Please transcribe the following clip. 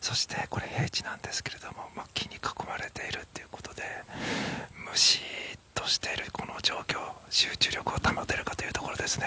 そしてこれ平地なんですけど木に囲まれているということでムシッとしているこの状況集中力を保てるかというところですね。